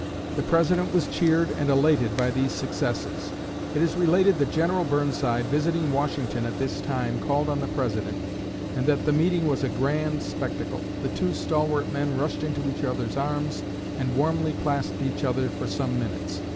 The President was cheered and elated by these successes. It is related that General Burnside, visiting Washington at this time, called on the President, and that "the meeting was a grand spectacle. The two stalwart men rushed into each other's arms, and warmly clasped each other for some minutes.